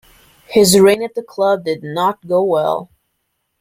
His reign at the club did not go well.